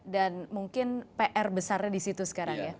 dan mungkin pr besarnya disitu sekarang ya